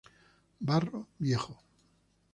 Barro viejo